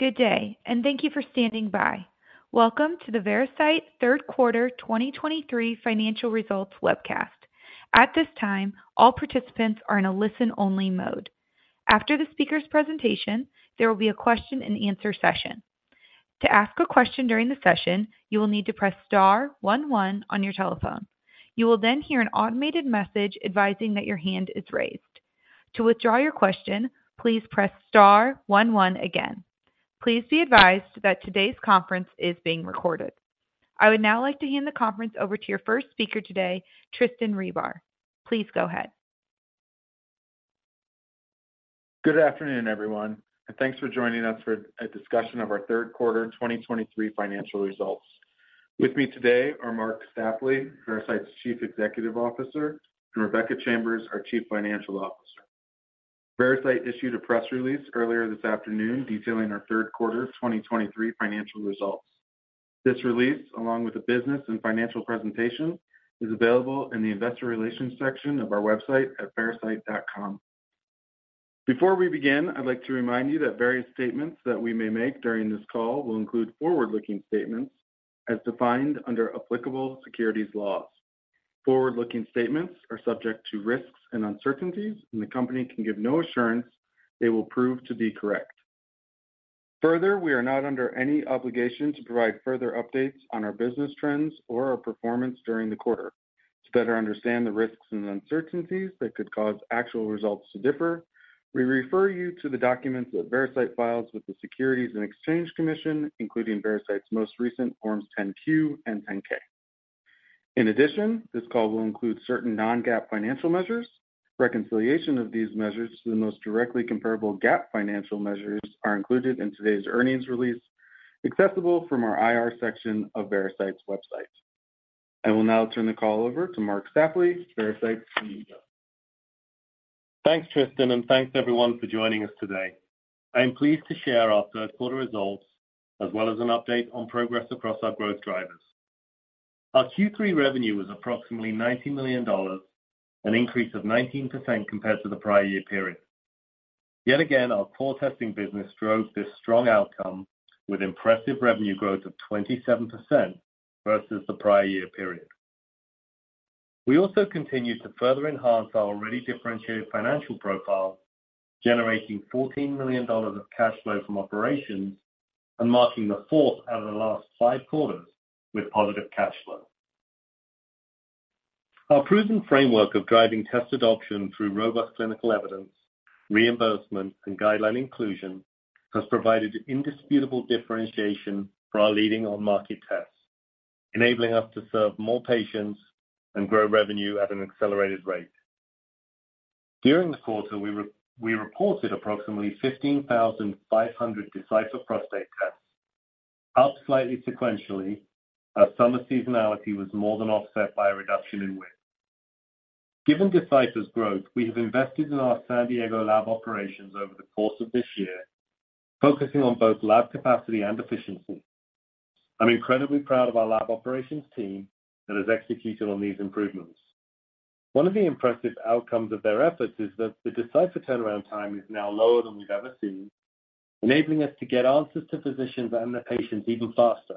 Good day, and thank you for standing by. Welcome to the Veracyte Third Quarter 2023 financial results webcast. At this time, all participants are in a listen-only mode. After the speaker's presentation, there will be a question-and-answer session. To ask a question during the session, you will need to press star one one on your telephone. You will then hear an automated message advising that your hand is raised. To withdraw your question, please press star one one again. Please be advised that today's conference is being recorded. I would now like to hand the conference over to your first speaker today, Tristan Engel. Please go ahead. Good afternoon, everyone, and thanks for joining us for a discussion of our third quarter 2023 financial results. With me today are Marc Stapley, Veracyte's Chief Executive Officer, and Rebecca Chambers, our Chief Financial Officer. Veracyte issued a press release earlier this afternoon detailing our third quarter 2023 financial results. This release, along with the business and financial presentation, is available in the investor relations section of our website at veracyte.com. Before we begin, I'd like to remind you that various statements that we may make during this call will include forward-looking statements as defined under applicable securities laws. Forward-looking statements are subject to risks and uncertainties, and the company can give no assurance they will prove to be correct. Further, we are not under any obligation to provide further updates on our business trends or our performance during the quarter. To better understand the risks and uncertainties that could cause actual results to differ, we refer you to the documents that Veracyte files with the Securities and Exchange Commission, including Veracyte's most recent Forms 10-Q and 10-K. In addition, this call will include certain non-GAAP financial measures. Reconciliation of these measures to the most directly comparable GAAP financial measures are included in today's earnings release, accessible from our IR section of Veracyte's website. I will now turn the call over to Marc Stapley, Veracyte's CEO. Thanks, Tristan, and thanks everyone for joining us today. I am pleased to share our third quarter results, as well as an update on progress across our growth drivers. Our Q3 revenue was approximately $90 million, an increase of 19% compared to the prior year period. Yet again, our core testing business drove this strong outcome with impressive revenue growth of 27% versus the prior year period. We also continued to further enhance our already differentiated financial profile, generating $14 million of cash flow from operations and marking the fourth out of the last five quarters with positive cash flow. Our proven framework of driving test adoption through robust clinical evidence, reimbursement, and guideline inclusion has provided indisputable differentiation for our leading on-market tests, enabling us to serve more patients and grow revenue at an accelerated rate. During the quarter, we reported approximately 15,500 Decipher Prostate tests, up slightly sequentially, as summer seasonality was more than offset by a reduction in WIP. Given Decipher's growth, we have invested in our San Diego lab operations over the course of this year, focusing on both lab capacity and efficiency. I'm incredibly proud of our lab operations team that has executed on these improvements. One of the impressive outcomes of their efforts is that the Decipher turnaround time is now lower than we've ever seen, enabling us to get answers to physicians and their patients even faster.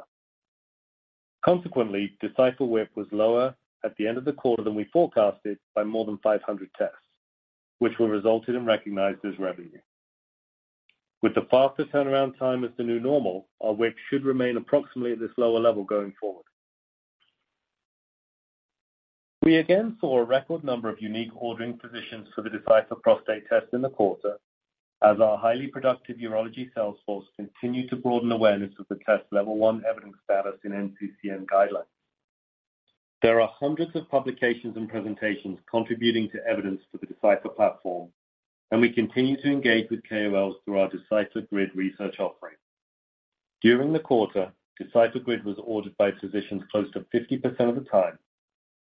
Consequently, Decipher WIP was lower at the end of the quarter than we forecasted by more than 500 tests, which were resulted and recognized as revenue. With the faster turnaround time as the new normal, our WIP should remain approximately at this lower level going forward. We again saw a record number of unique ordering physicians for the Decipher Prostate test in the quarter, as our highly productive urology sales force continued to broaden awareness of the test's Level 1 evidence status in NCCN guidelines. There are hundreds of publications and presentations contributing to evidence for the Decipher platform, and we continue to engage with KOLs through our Decipher GRID research offering. During the quarter, Decipher GRID was ordered by physicians close to 50% of the time.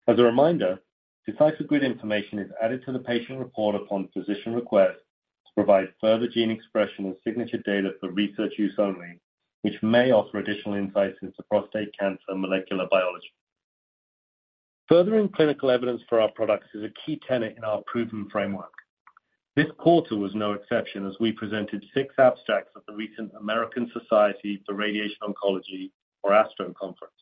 As a reminder, Decipher GRID information is added to the patient report upon physician request to provide further gene expression and signature data for research use only, which may offer additional insights into prostate cancer molecular biology. Furthering clinical evidence for our products is a key tenet in our proven framework. This quarter was no exception as we presented 6 abstracts at the recent American Society for Radiation Oncology, or ASTRO conference.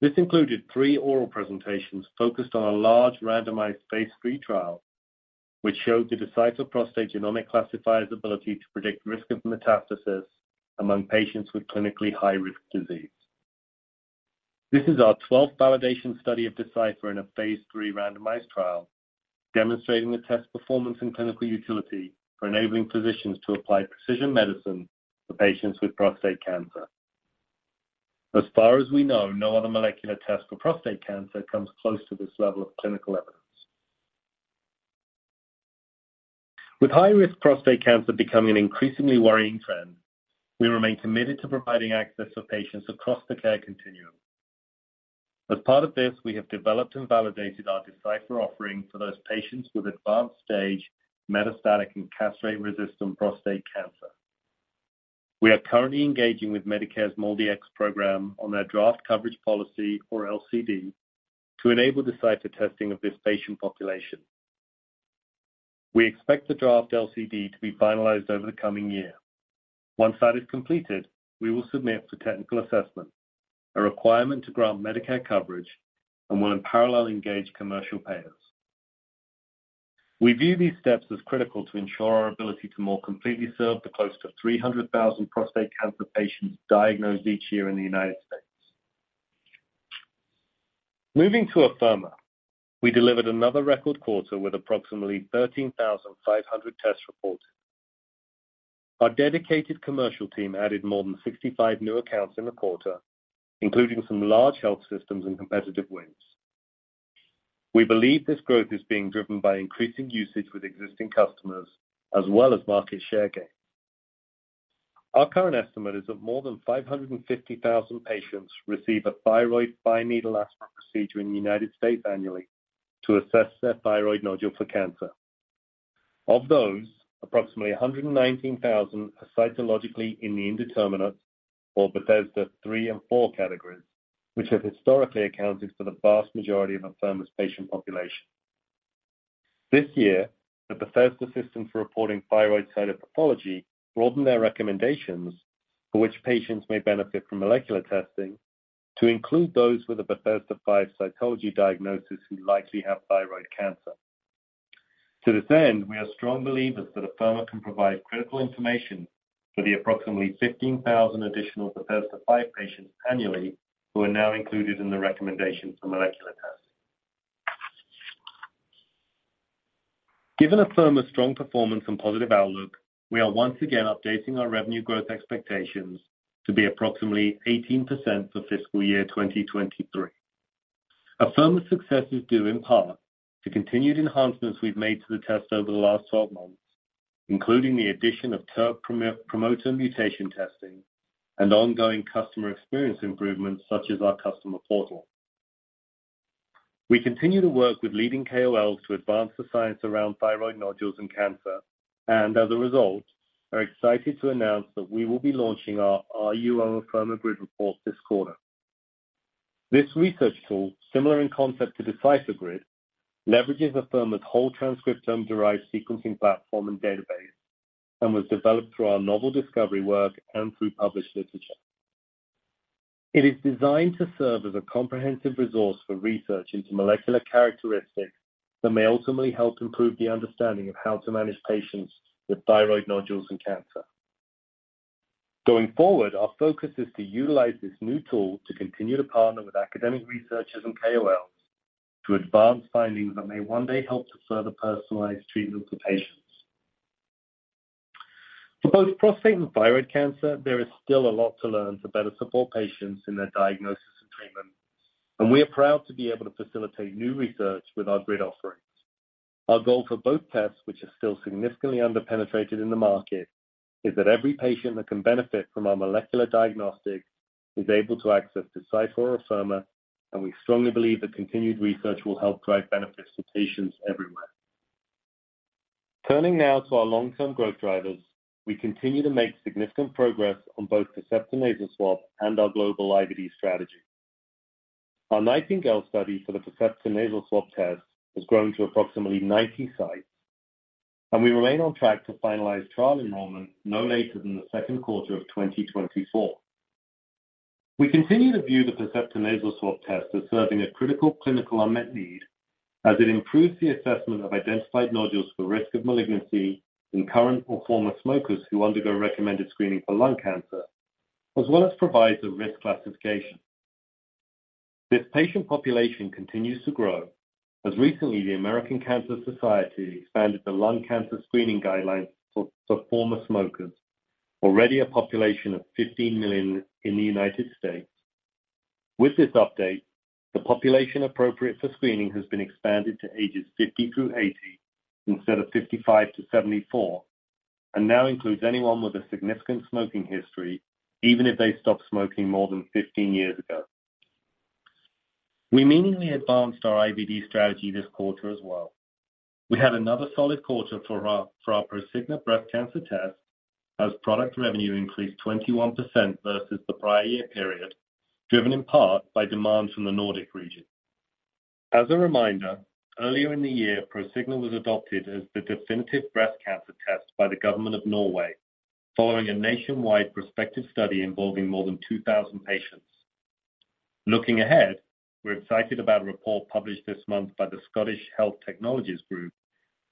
This included 3 oral presentations focused on a large randomized phase III trial, which showed the Decipher Prostate genomic classifier's ability to predict risk of metastasis among patients with clinically high-risk disease. This is our 12th validation study of Decipher in a phase III randomized trial, demonstrating the test performance and clinical utility for enabling physicians to apply precision medicine to patients with prostate cancer. As far as we know, no other molecular test for prostate cancer comes close to this level of clinical evidence. With high-risk prostate cancer becoming an increasingly worrying trend, we remain committed to providing access for patients across the care continuum. As part of this, we have developed and validated our Decipher offering for those patients with advanced stage metastatic and castrate-resistant prostate cancer. We are currently engaging with Medicare's MolDX program on their draft coverage policy, or LCD, to enable the Decipher testing of this patient population. We expect the draft LCD to be finalized over the coming year. Once that is completed, we will submit for technical assessment, a requirement to grant Medicare coverage, and will in parallel, engage commercial payers. We view these steps as critical to ensure our ability to more completely serve the close to 300,000 prostate cancer patients diagnosed each year in the United States. Moving to Afirma, we delivered another record quarter with approximately 13,500 test reports. Our dedicated commercial team added more than 65 new accounts in the quarter, including some large health systems and competitive wins. We believe this growth is being driven by increasing usage with existing customers, as well as market share gain. Our current estimate is that more than 550,000 patients receive a thyroid fine needle aspirate procedure in the United States annually to assess their thyroid nodule for cancer. Of those, approximately 119,000 are cytologically in the indeterminate or Bethesda 3 and 4 categories, which have historically accounted for the vast majority of Afirma's patient population. This year, the Bethesda system for reporting thyroid cytopathology broadened their recommendations for which patients may benefit from molecular testing, to include those with a Bethesda 5 cytology diagnosis who likely have thyroid cancer. To this end, we are strong believers that Afirma can provide critical information for the approximately 15,000 additional Bethesda 5 patients annually, who are now included in the recommendation for molecular tests. Given Afirma's strong performance and positive outlook, we are once again updating our revenue growth expectations to be approximately 18% for fiscal year 2023. Afirma's success is due in part to continued enhancements we've made to the test over the last 12 months, including the addition of TERT promoter mutation testing and ongoing customer experience improvements, such as our customer portal. We continue to work with leading KOLs to advance the science around thyroid nodules and cancer, and as a result, are excited to announce that we will be launching our RUO Afirma Grid report this quarter. This research tool, similar in concept to Decipher Grid, leverages Afirma's whole transcriptome-derived sequencing platform and database, and was developed through our novel discovery work and through published literature. It is designed to serve as a comprehensive resource for research into molecular characteristics that may ultimately help improve the understanding of how to manage patients with thyroid nodules and cancer. Going forward, our focus is to utilize this new tool to continue to partner with academic researchers and KOLs to advance findings that may one day help to further personalize treatment for patients. For both prostate and thyroid cancer, there is still a lot to learn to better support patients in their diagnosis and treatment, and we are proud to be able to facilitate new research with our grid offerings. Our goal for both tests, which are still significantly under-penetrated in the market, is that every patient that can benefit from our molecular diagnostic is able to access Decipher or Afirma, and we strongly believe that continued research will help drive benefits to patients everywhere. Turning now to our long-term growth drivers, we continue to make significant progress on both Percepta Nasal Swab and our global IVD strategy. Our Nightingale study for the Percepta Nasal Swab test has grown to approximately 90 sites, and we remain on track to finalize trial enrollment no later than the second quarter of 2024. We continue to view the Percepta Nasal Swab test as serving a critical clinical unmet need, as it improves the assessment of identified nodules for risk of malignancy in current or former smokers who undergo recommended screening for lung cancer, as well as provides a risk classification. This patient population continues to grow, as recently, the American Cancer Society expanded the lung cancer screening guidelines for former smokers. Already a population of 15 million in the United States. With this update, the population appropriate for screening has been expanded to ages 50 through 80, instead of 55 to 74, and now includes anyone with a significant smoking history, even if they stopped smoking more than 15 years ago. We meaningfully advanced our IVD strategy this quarter as well. We had another solid quarter for our Prosigna breast cancer test, as product revenue increased 21% versus the prior year period, driven in part by demand from the Nordic region. As a reminder, earlier in the year, Prosigna was adopted as the definitive breast cancer test by the government of Norway, following a nationwide prospective study involving more than 2,000 patients. Looking ahead, we're excited about a report published this month by the Scottish Health Technologies Group,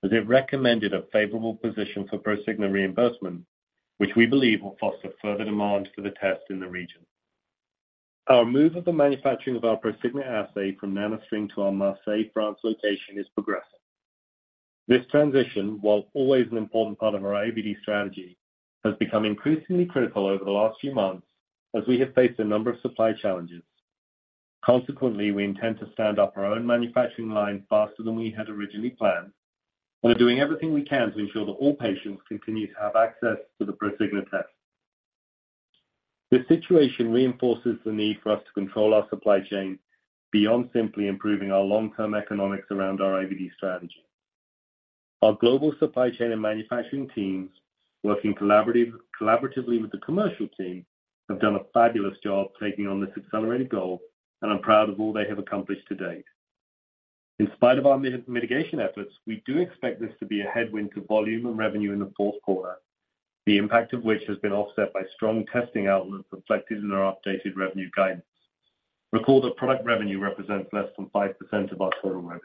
as it recommended a favorable position for Prosigna reimbursement, which we believe will foster further demand for the test in the region. Our move of the manufacturing of our Prosigna assay from NanoString to our Marseille, France location is progressing. This transition, while always an important part of our IVD strategy, has become increasingly critical over the last few months as we have faced a number of supply challenges. Consequently, we intend to stand up our own manufacturing line faster than we had originally planned. We are doing everything we can to ensure that all patients continue to have access to the Prosigna test. This situation reinforces the need for us to control our supply chain beyond simply improving our long-term economics around our IVD strategy. Our global supply chain and manufacturing teams, working collaboratively with the commercial team, have done a fabulous job taking on this accelerated goal, and I'm proud of all they have accomplished to date. In spite of our mitigation efforts, we do expect this to be a headwind to volume and revenue in the fourth quarter, the impact of which has been offset by strong testing outlook reflected in our updated revenue guidance. Recall that product revenue represents less than 5% of our total revenue.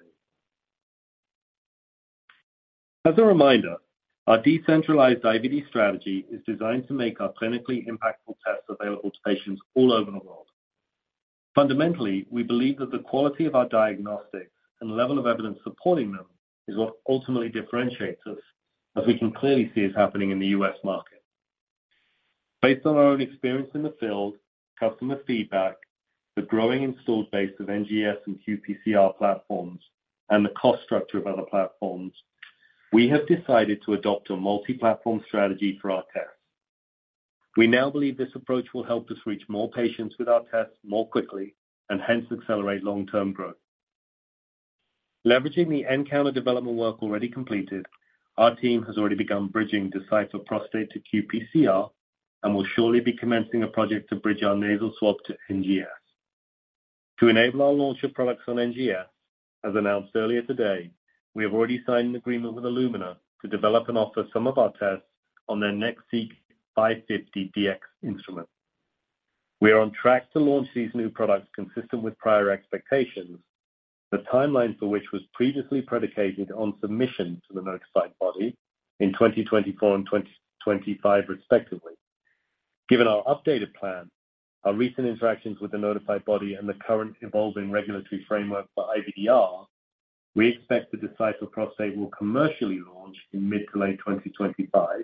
As a reminder, our decentralized IVD strategy is designed to make our clinically impactful tests available to patients all over the world. Fundamentally, we believe that the quality of our diagnostics and the level of evidence supporting them is what ultimately differentiates us, as we can clearly see is happening in the U.S. market. Based on our own experience in the field, customer feedback, the growing installed base of NGS and qPCR platforms, and the cost structure of other platforms, we have decided to adopt a multi-platform strategy for our tests. We now believe this approach will help us reach more patients with our tests more quickly, and hence accelerate long-term growth. Leveraging the nCounter development work already completed, our team has already begun bridging Decipher Prostate to qPCR, and will shortly be commencing a project to bridge our nasal swab to NGS. To enable our launch of products on NGS, as announced earlier today, we have already signed an agreement with Illumina to develop and offer some of our tests on their NextSeq 550Dx instrument. We are on track to launch these new products consistent with prior expectations, the timeline for which was previously predicated on submission to the notified body in 2024 and 2025 respectively. Given our updated plan, our recent interactions with the notified body, and the current evolving regulatory framework for IVDR, we expect the Decipher Prostate will commercially launch in mid-to-late 2025,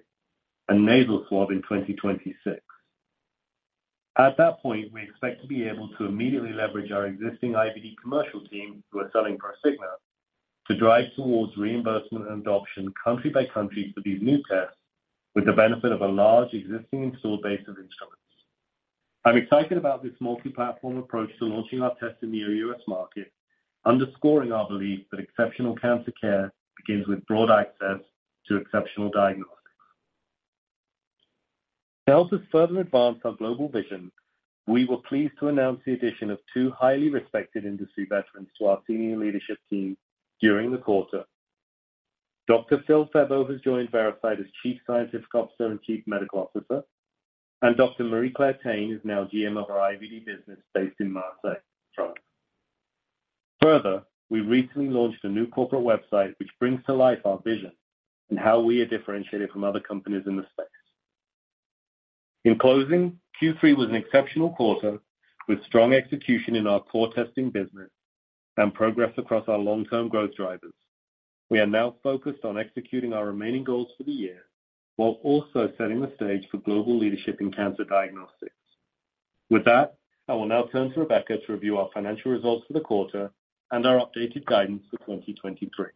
and nasal swab in 2026. At that point, we expect to be able to immediately leverage our existing IVD commercial team, who are selling Prosigna, to drive towards reimbursement and adoption country by country for these new tests, with the benefit of a large existing installed base of instruments. I'm excited about this multi-platform approach to launching our test in the U.S. market, underscoring our belief that exceptional cancer care begins with broad access to exceptional diagnostics. To help us further advance our global vision, we were pleased to announce the addition of two highly respected industry veterans to our senior leadership team during the quarter. Dr. Phil Febbo has joined Veracyte as Chief Scientific Officer and Chief Medical Officer, and Dr. Marie-Claire Taine is now GM of our IVD business based in Marseille, France. Further, we recently launched a new corporate website, which brings to life our vision and how we are differentiated from other companies in the space. In closing, Q3 was an exceptional quarter, with strong execution in our core testing business and progress across our long-term growth drivers. We are now focused on executing our remaining goals for the year, while also setting the stage for global leadership in cancer diagnostics. With that, I will now turn to Rebecca to review our financial results for the quarter and our updated guidance for 2023.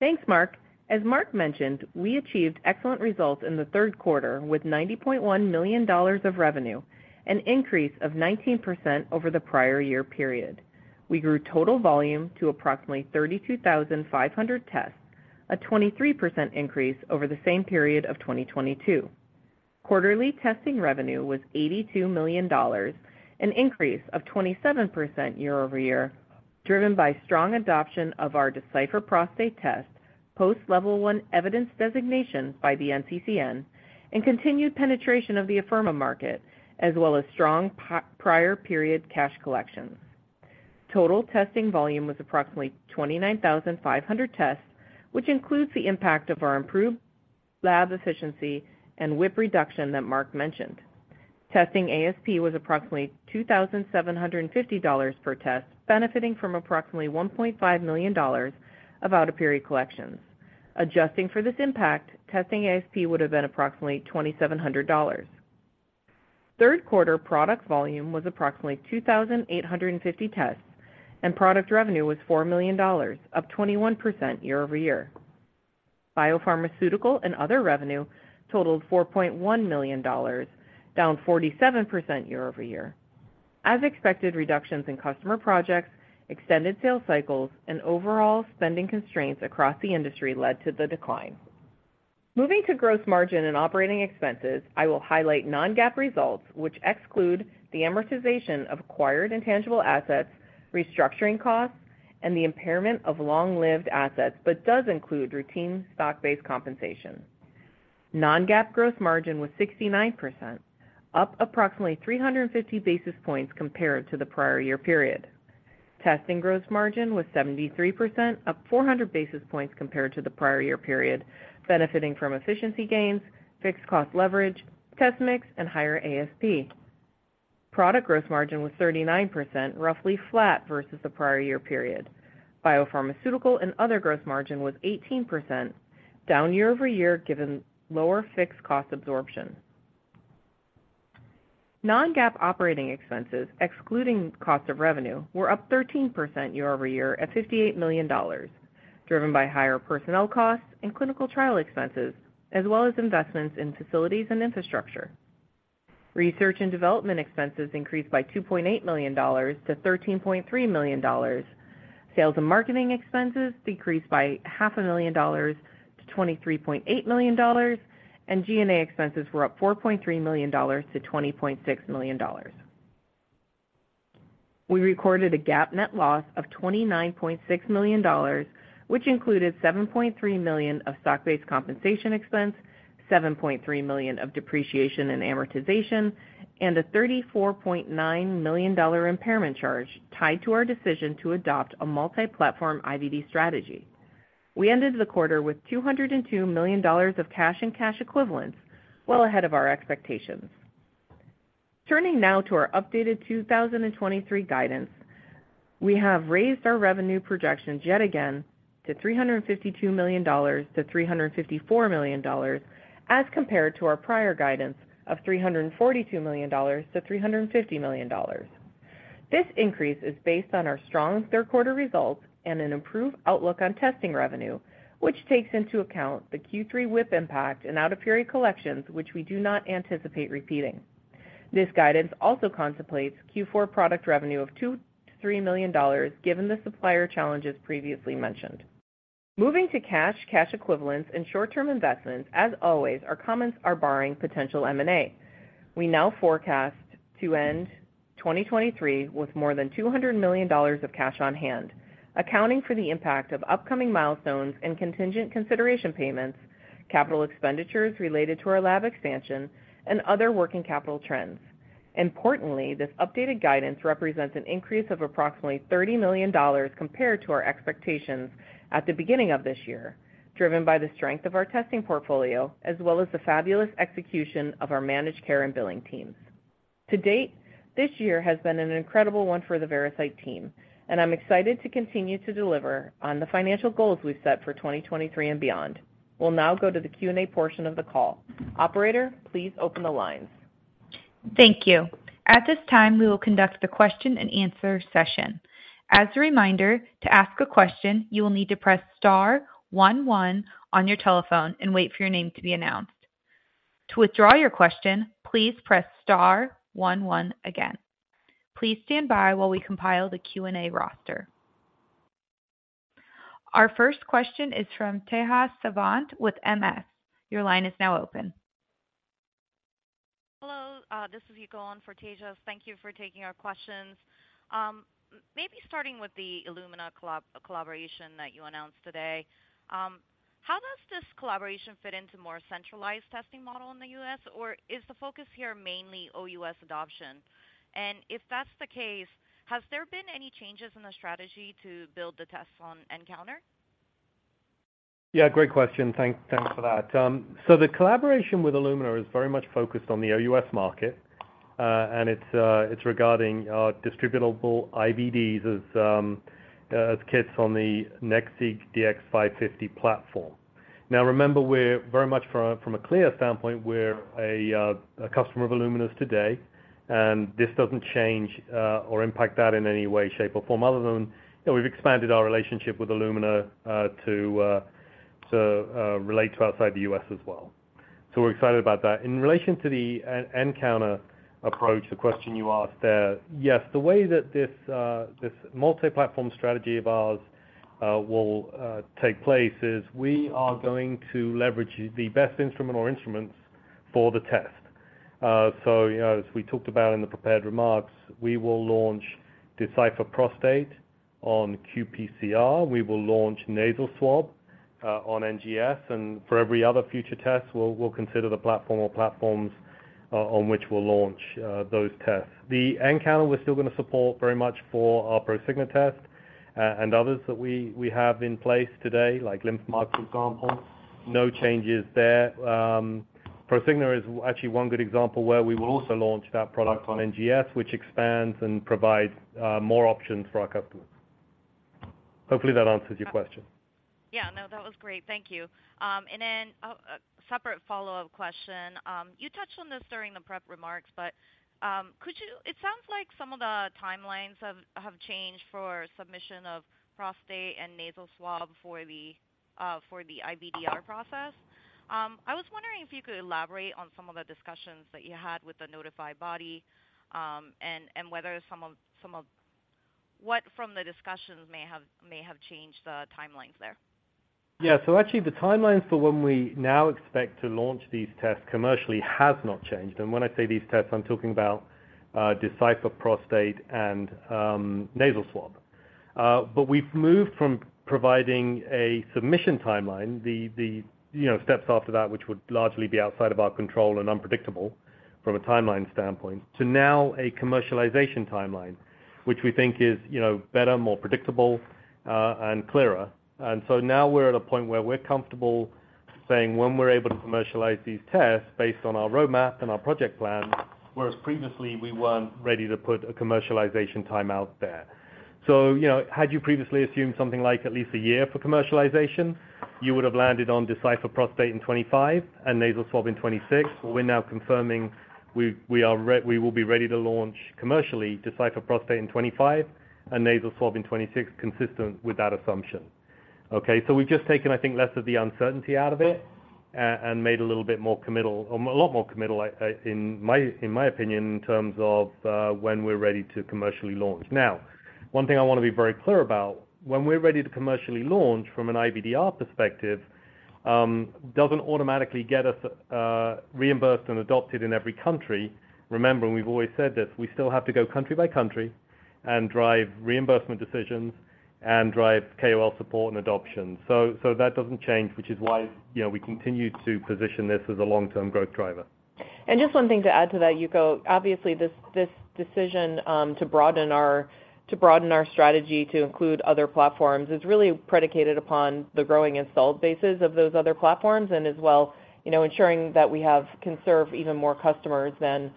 Thanks, Marc. As Marc mentioned, we achieved excellent results in the third quarter with $90.1 million of revenue, an increase of 19% over the prior year period. We grew total volume to approximately 32,500 tests, a 23% increase over the same period of 2022. Quarterly testing revenue was $82 million, an increase of 27% year-over-year, driven by strong adoption of our Decipher Prostate test, post Level One evidence designation by the NCCN, and continued penetration of the Afirma market, as well as strong prior period cash collections. Total testing volume was approximately 29,500 tests, which includes the impact of our improved lab efficiency and WIP reduction that Marc mentioned. Testing ASP was approximately $2,750 per test, benefiting from approximately $1.5 million of out-of-period collections. Adjusting for this impact, testing ASP would have been approximately $2,700. Third quarter product volume was approximately 2,850 tests, and product revenue was $4 million, up 21% year-over-year. Biopharmaceutical and other revenue totaled $4.1 million, down 47% year-over-year. As expected, reductions in customer projects, extended sales cycles, and overall spending constraints across the industry led to the decline. Moving to gross margin and operating expenses, I will highlight non-GAAP results, which exclude the amortization of acquired intangible assets, restructuring costs, and the impairment of long-lived assets, but does include routine stock-based compensation. Non-GAAP gross margin was 69%, up approximately 350 basis points compared to the prior year period. Testing gross margin was 73%, up 400 basis points compared to the prior year period, benefiting from efficiency gains, fixed cost leverage, test mix, and higher ASP. Product gross margin was 39%, roughly flat versus the prior year period. Biopharmaceutical and other gross margin was 18%, down year-over-year, given lower fixed cost absorption. Non-GAAP operating expenses, excluding cost of revenue, were up 13% year-over-year at $58 million, driven by higher personnel costs and clinical trial expenses, as well as investments in facilities and infrastructure. Research and development expenses increased by $2.8 million to $13.3 million. Sales and marketing expenses decreased by $0.5 million to $23.8 million, and G&A expenses were up $4.3 million to $20.6 million. We recorded a GAAP net loss of $29.6 million, which included $7.3 million of stock-based compensation expense, $7.3 million of depreciation and amortization, and a $34.9 million impairment charge tied to our decision to adopt a multi-platform IVD strategy. We ended the quarter with $202 million of cash and cash equivalents, well ahead of our expectations. Turning now to our updated 2023 guidance, we have raised our revenue projections yet again to $352 million-$354 million, as compared to our prior guidance of $342 million-$350 million. This increase is based on our strong third quarter results and an improved outlook on testing revenue, which takes into account the Q3 WIP impact and out-of-period collections, which we do not anticipate repeating. This guidance also contemplates Q4 product revenue of $2 million-$3 million, given the supplier challenges previously mentioned. Moving to cash, cash equivalents, and short-term investments, as always, our comments are barring potential M&A. We now forecast to end 2023 with more than $200 million of cash on hand, accounting for the impact of upcoming milestones and contingent consideration payments, capital expenditures related to our lab expansion and other working capital trends. Importantly, this updated guidance represents an increase of approximately $30 million compared to our expectations at the beginning of this year, driven by the strength of our testing portfolio, as well as the fabulous execution of our managed care and billing teams. To date, this year has been an incredible one for the Veracyte team, and I'm excited to continue to deliver on the financial goals we've set for 2023 and beyond. We'll now go to the Q&A portion of the call. Operator, please open the lines. Thank you. At this time, we will conduct a question-and-answer session. As a reminder, to ask a question, you will need to press star one one on your telephone and wait for your name to be announced. To withdraw your question, please press star one one again. Please stand by while we compile the Q&A roster. Our first question is from Tejas Savant with MS. Your line is now open. Hello, this is Yuko going on for Tejas. Thank you for taking our questions. Maybe starting with the Illumina collaboration that you announced today. How does this collaboration fit into more centralized testing model in the U.S., or is the focus here mainly OUS adoption? And if that's the case, has there been any changes in the strategy to build the tests on nCounter? Yeah, great question. Thanks for that. So the collaboration with Illumina is very much focused on the OUS market, and it's regarding distributable IVDs as kits on the NextSeq 550Dx platform. Now, remember, we're very much from a clear standpoint, we're a customer of Illumina's today, and this doesn't change or impact that in any way, shape, or form other than that we've expanded our relationship with Illumina to relate to outside the US as well. So we're excited about that. In relation to the nCounter approach, the question you asked there, yes, the way that this multi-platform strategy of ours will take place is we are going to leverage the best instrument or instruments for the test. So, you know, as we talked about in the prepared remarks, we will launch Decipher Prostate on qPCR. We will launch nasal swab on NGS, and for every other future test, we'll consider the platform or platforms on which we'll launch those tests. The nCounter, we're still gonna support very much for our Prosigna test and others that we have in place today, like LymphMark, for example. No changes there. Prosigna is actually one good example where we will also launch that product on NGS, which expands and provides more options for our customers. Hopefully, that answers your question. Yeah. No, that was great. Thank you. And then a separate follow-up question. You touched on this during the prep remarks, but could you... It sounds like some of the timelines have changed for submission of prostate and nasal swab for the IVDR process. I was wondering if you could elaborate on some of the discussions that you had with the notified body, and whether some of... What from the discussions may have changed the timelines there? Yeah. So actually, the timelines for when we now expect to launch these tests commercially has not changed. And when I say these tests, I'm talking about Decipher Prostate and nasal swab. But we've moved from providing a submission timeline, the steps after that, which would largely be outside of our control and unpredictable from a timeline standpoint, to now a commercialization timeline, which we think is, you know, better, more predictable, and clearer. And so now we're at a point where we're comfortable saying when we're able to commercialize these tests based on our roadmap and our project plan, whereas previously, we weren't ready to put a commercialization time out there. So, you know, had you previously assumed something like at least a year for commercialization, you would have landed on Decipher Prostate in 2025 and nasal swab in 2026. We're now confirming we will be ready to launch commercially, Decipher Prostate in 2025 and nasal swab in 2026, consistent with that assumption. Okay, so we've just taken, I think, less of the uncertainty out of it, and made a little bit more committal or a lot more committal, in my opinion, in terms of when we're ready to commercially launch. Now, one thing I wanna be very clear about, when we're ready to commercially launch from an IVDR perspective, doesn't automatically get us reimbursed and adopted in every country. Remember, and we've always said this, we still have to go country by country and drive reimbursement decisions and drive KOL support and adoption. So that doesn't change, which is why, you know, we continue to position this as a long-term growth driver. And just one thing to add to that, Yuko. Obviously, this, this decision to broaden our, to broaden our strategy to include other platforms is really predicated upon the growing installed bases of those other platforms, and as well, you know, ensuring that we have, can serve even more customers than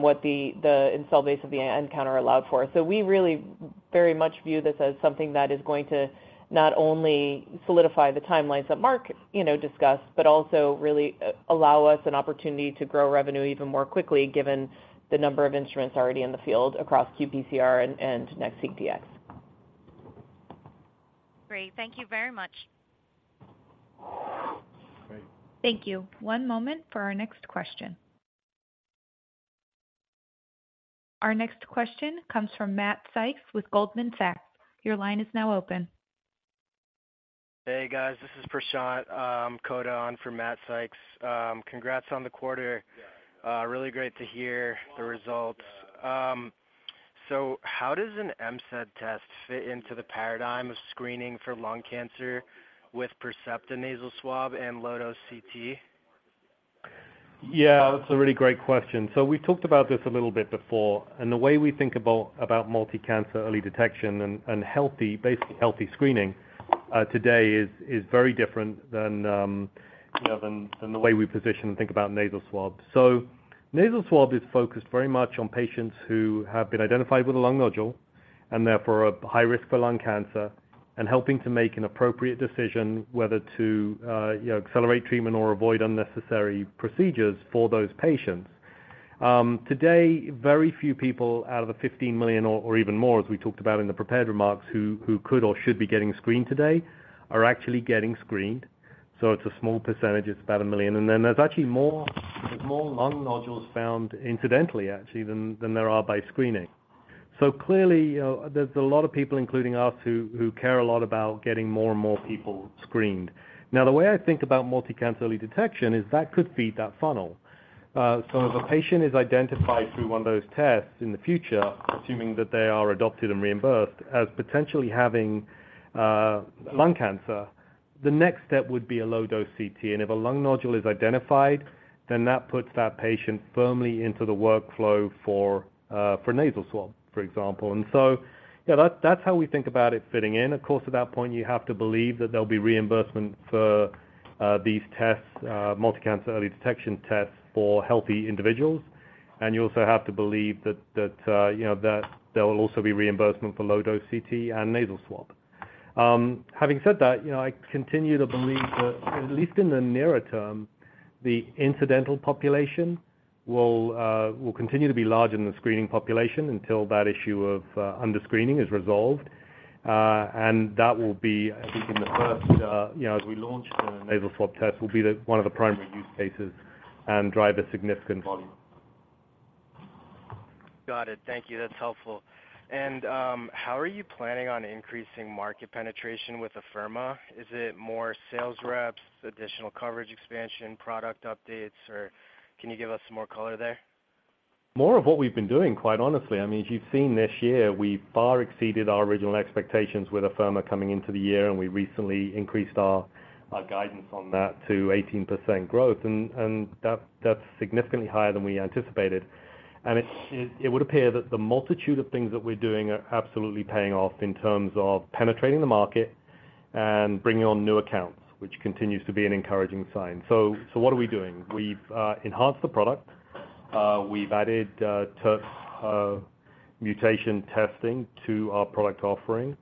what the, the install base of the nCounter allowed for. So we really very much view this as something that is going to not only solidify the timelines that Mark, you know, discussed, but also really allow us an opportunity to grow revenue even more quickly, given the number of instruments already in the field across qPCR and NextSeq DX. Great. Thank you very much. Great. Thank you. One moment for our next question. Our next question comes from Matt Sykes with Goldman Sachs. Your line is now open. Hey, guys, this is Prashant, called on for Matt Sykes. Congrats on the quarter. Really great to hear the results. So how does an MCED test fit into the paradigm of screening for lung cancer with Percepta Nasal Swab and low-dose CT? Yeah, that's a really great question. So we talked about this a little bit before, and the way we think about about multi-cancer early detection and and healthy, basically healthy screening today is very different than you know than the way we position and think about nasal swabs. So nasal swab is focused very much on patients who have been identified with a lung nodule, and therefore, are at high risk for lung cancer, and helping to make an appropriate decision whether to you know accelerate treatment or avoid unnecessary procedures for those patients. Today, very few people out of the 15 million or even more, as we talked about in the prepared remarks, who could or should be getting screened today, are actually getting screened. So it's a small percentage, it's about 1 million. And then there's actually more, there's more lung nodules found incidentally, actually, than there are by screening. So clearly, there's a lot of people, including us, who care a lot about getting more and more people screened. Now, the way I think about Multi-Cancer Early Detection is that could feed that funnel. So if a patient is identified through one of those tests in the future, assuming that they are adopted and reimbursed, as potentially having lung cancer, the next step would be a low-dose CT, and if a lung nodule is identified, then that puts that patient firmly into the workflow for nasal swab, for example. And so, yeah, that's how we think about it fitting in. Of course, at that point, you have to believe that there'll be reimbursement for these tests, Multi-Cancer Early Detection tests for healthy individuals. You also have to believe that, you know, there will also be reimbursement for low-dose CT and nasal swab. Having said that, you know, I continue to believe that at least in the nearer term, the incidental population will continue to be larger than the screening population until that issue of under-screening is resolved. And that will be, I think, in the first, you know, as we launch the nasal swab test, will be the one of the primary use cases and drive a significant volume. Got it. Thank you. That's helpful. How are you planning on increasing market penetration with Afirma? Is it more sales reps, additional coverage, expansion, product updates, or can you give us some more color there? More of what we've been doing, quite honestly. I mean, as you've seen this year, we far exceeded our original expectations with Afirma coming into the year, and we recently increased our guidance on that to 18% growth, and that's significantly higher than we anticipated. And it would appear that the multitude of things that we're doing are absolutely paying off in terms of penetrating the market and bringing on new accounts, which continues to be an encouraging sign. So what are we doing? We've enhanced the product. We've added TERT mutation testing to our product offering.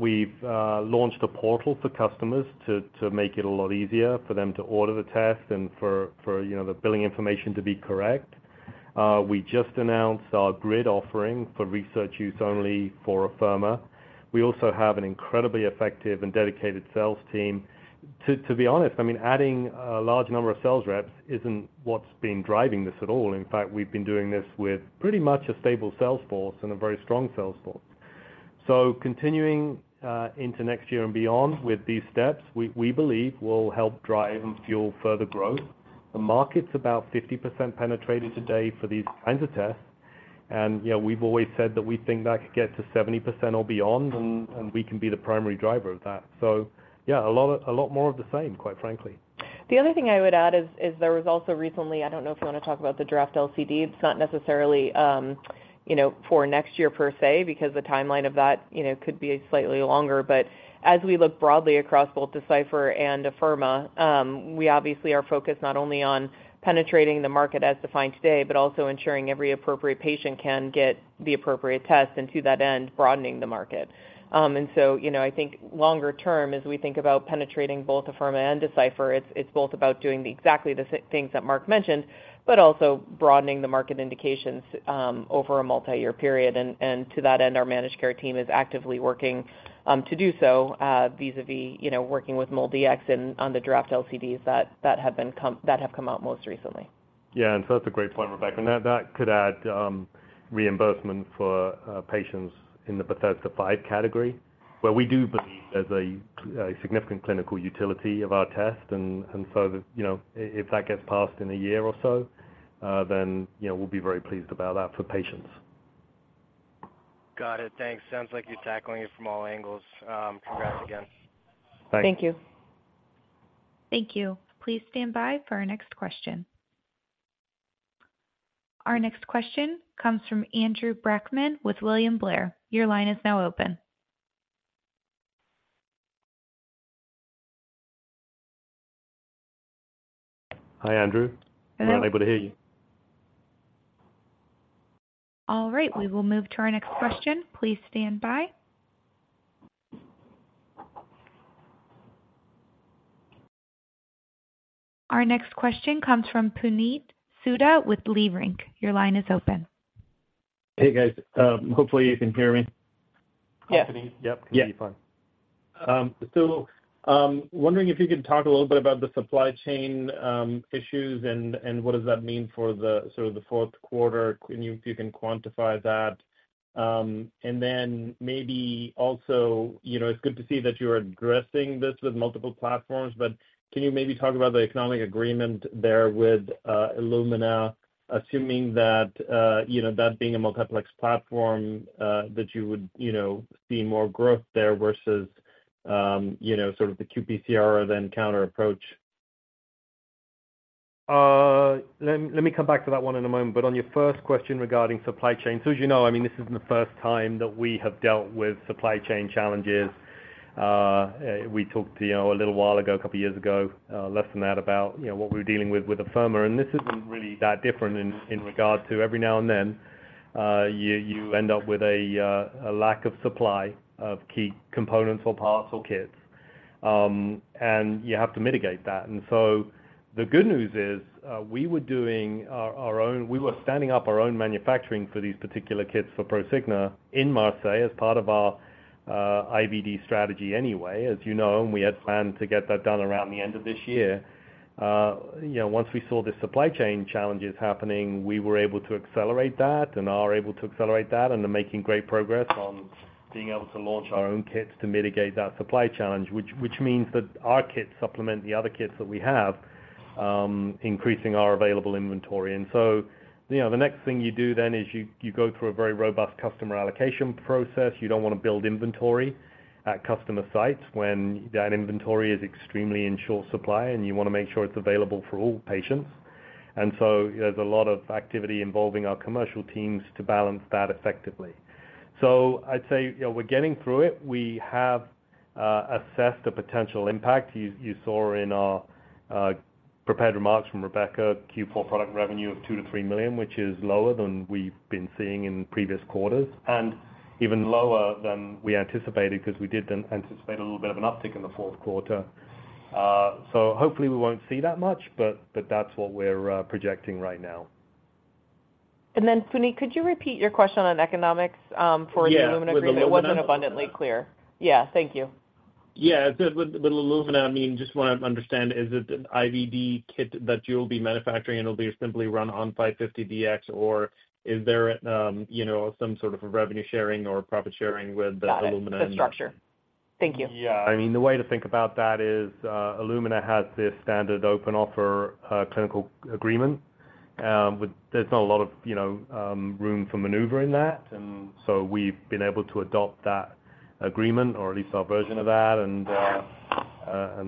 We've launched a portal for customers to make it a lot easier for them to order the test and for, you know, the billing information to be correct. We just announced our Grid offering for research use only for Afirma. We also have an incredibly effective and dedicated sales team. To be honest, I mean, adding a large number of sales reps isn't what's been driving this at all. In fact, we've been doing this with pretty much a stable sales force and a very strong sales force. So continuing into next year and beyond with these steps, we, we believe will help drive and fuel further growth. The market's about 50% penetrated today for these kinds of tests, and, you know, we've always said that we think that could get to 70% or beyond, and, and we can be the primary driver of that. So yeah, a lot, a lot more of the same, quite frankly. The other thing I would add is, there was also recently... I don't know if you want to talk about the draft LCD. It's not necessarily, you know, for next year per se, because the timeline of that, you know, could be slightly longer. But as we look broadly across both Decipher and Afirma, we obviously are focused not only on penetrating the market as defined today, but also ensuring every appropriate patient can get the appropriate test, and to that end, broadening the market. And so, you know, I think longer term, as we think about penetrating both Afirma and Decipher, it's both about doing the exactly the sa- things that Marc mentioned, but also broadening the market indications, over a multi-year period. To that end, our managed care team is actively working to do so vis-à-vis, you know, working with MolDX and on the draft LCDs that have come out most recently. Yeah, and so that's a great point, Rebecca. And that could add reimbursement for patients in the Bethesda 5 category, where we do believe there's a significant clinical utility of our test. And so, you know, if that gets passed in a year or so, then, you know, we'll be very pleased about that for patients. Got it. Thanks. Sounds like you're tackling it from all angles. Congrats again. Thanks. Thank you. Thank you. Please stand by for our next question. Our next question comes from Andrew Brackmann with William Blair. Your line is now open. Hi, Andrew. We're unable to hear you. All right, we will move to our next question. Please stand by. Our next question comes from Puneet Souda with Leerink. Your line is open. Hey, guys. Hopefully you can hear me. Yes. Yep. Yep. Can hear you fine. So, wondering if you could talk a little bit about the supply chain issues and what does that mean for sort of the fourth quarter, and if you can quantify that. And then maybe also, you know, it's good to see that you are addressing this with multiple platforms, but can you maybe talk about the economic agreement there with Illumina, assuming that, you know, that being a multiplex platform, that you would, you know, see more growth there versus, you know, sort of the qPCR, the nCounter approach? Let me come back to that one in a moment. But on your first question regarding supply chain. So as you know, I mean, this isn't the first time that we have dealt with supply chain challenges. We talked, you know, a little while ago, a couple of years ago, less than that, about, you know, what we were dealing with with Afirma, and this isn't really that different in regard to every now and then, you end up with a lack of supply of key components or parts or kits, and you have to mitigate that. So the good news is, we were doing our own—we were standing up our own manufacturing for these particular kits for Prosigna in Marseille as part of our IVD strategy anyway, as you know, and we had planned to get that done around the end of this year. You know, once we saw the supply chain challenges happening, we were able to accelerate that and are able to accelerate that, and are making great progress on being able to launch our own kits to mitigate that supply challenge. Which means that our kits supplement the other kits that we have, increasing our available inventory. So, you know, the next thing you do then is you go through a very robust customer allocation process. You don't want to build inventory at customer sites when that inventory is extremely in short supply, and you want to make sure it's available for all patients. And so there's a lot of activity involving our commercial teams to balance that effectively. So I'd say, you know, we're getting through it. We have assessed the potential impact. You, you saw in our prepared remarks from Rebecca, Q4 product revenue of $2 million-$3 million, which is lower than we've been seeing in previous quarters, and even lower than we anticipated, because we did anticipate a little bit of an uptick in the fourth quarter. So hopefully we won't see that much, but that's what we're projecting right now. And then, Puneet, could you repeat your question on economics, for the Illumina agreement? It wasn't abundantly clear. Yeah, thank you. Yeah. With Illumina, I mean, just want to understand, is it an IVD kit that you will be manufacturing and it'll be simply run on 550Dx? Or is there, you know, some sort of a revenue sharing or profit sharing with Illumina? Got it. The structure. Thank you. Yeah. I mean, the way to think about that is, Illumina has this standard open offer clinical agreement with... There's not a lot of, you know, room for maneuver in that, and so we've been able to adopt that agreement, or at least our version of that. And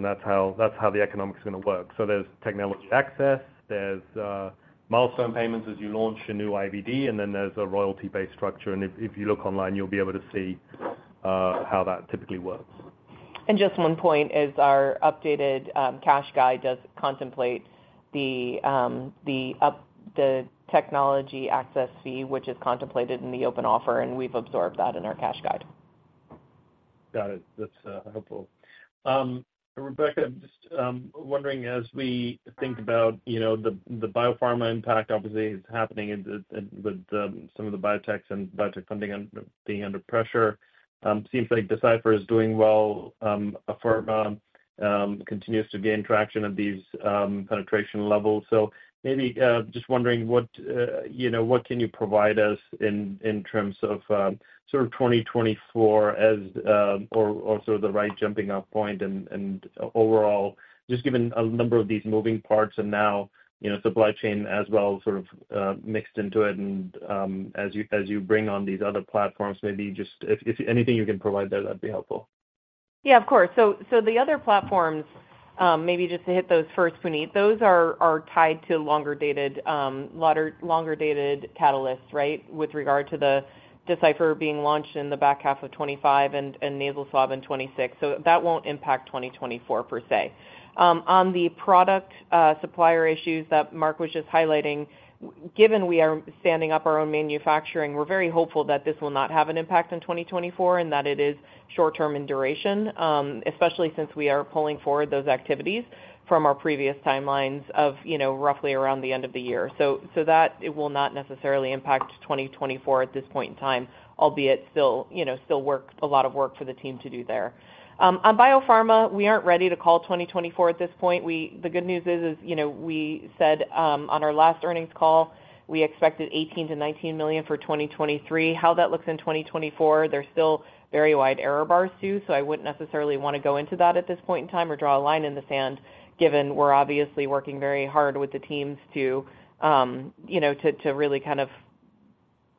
that's how the economics is going to work. So there's technology access, there's milestone payments as you launch a new IVD, and then there's a royalty-based structure. And if you look online, you'll be able to see how that typically works. Just one point is our updated cash guide does contemplate the technology access fee, which is contemplated in the open offer, and we've absorbed that in our cash guide. Got it. That's helpful. Rebecca, just wondering, as we think about, you know, the biopharma impact obviously is happening and with some of the biotechs and biotech funding being under pressure, seems like Decipher is doing well. Afirma continues to gain traction at these penetration levels. So maybe just wondering, what you know, what can you provide us in terms of sort of 2024 as or sort of the right jumping off point and overall, just given a number of these moving parts and now, you know, supply chain as well, sort of mixed into it and as you bring on these other platforms, maybe just if anything you can provide there, that'd be helpful. Yeah, of course. So the other platforms, maybe just to hit those first, Puneet, those are tied to longer dated catalysts, right? With regard to the Decipher being launched in the back half of 2025 and nasal swab in 2026. So that won't impact 2024 per se. On the product, supplier issues that Marc was just highlighting, given we are standing up our own manufacturing, we're very hopeful that this will not have an impact in 2024 and that it is short term in duration, especially since we are pulling forward those activities from our previous timelines of, you know, roughly around the end of the year. So, that it will not necessarily impact 2024 at this point in time, albeit still, you know, still a lot of work for the team to do there. On biopharma, we aren't ready to call 2024 at this point. The good news is, you know, we said on our last earnings call, we expected $18 million-$19 million for 2023. How that looks in 2024, there's still very wide error bars, too, so I wouldn't necessarily want to go into that at this point in time or draw a line in the sand, given we're obviously working very hard with the teams to, you know, to really kind of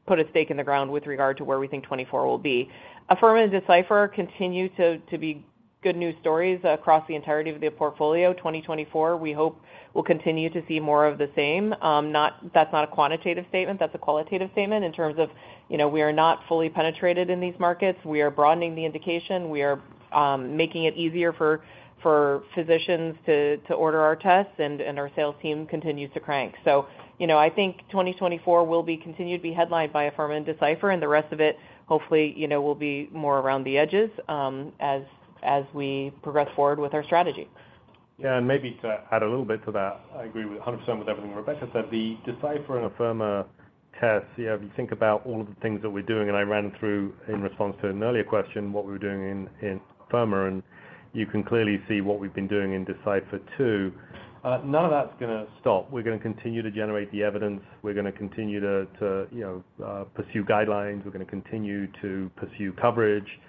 put a stake in the ground with regard to where we think 2024 will be. Afirma and Decipher continue to be good news stories across the entirety of the portfolio. 2024, we hope will continue to see more of the same. That's not a quantitative statement, that's a qualitative statement, in terms of, you know, we are not fully penetrated in these markets. We are broadening the indication. We are making it easier for physicians to order our tests, and our sales team continues to crank. So, you know, I think 2024 will continue to be headlined by Afirma and Decipher, and the rest of it, hopefully, you know, will be more around the edges, as we progress forward with our strategy. Yeah, and maybe to add a little bit to that, I agree 100% with everything Rebecca said. The Decipher and Afirma tests, you know, if you think about all of the things that we're doing, and I ran through in response to an earlier question, what we were doing in Afirma, and you can clearly see what we've been doing in Decipher, too. None of that's gonna stop. We're gonna continue to generate the evidence. We're gonna continue to pursue guidelines. We're gonna continue to pursue coverage,